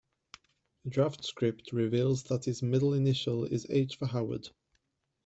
A draft script reveals that his middle initial is "H" for "Howard".